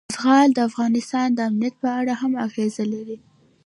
زغال د افغانستان د امنیت په اړه هم اغېز لري.